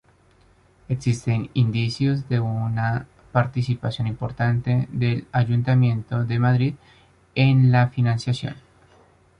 Existen indicios de una participación importante del ayuntamiento de Madrid en la financiación.